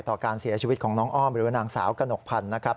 ต่อการเสียชีวิตของน้องอ้อมหรือว่านางสาวกระหนกพันธ์นะครับ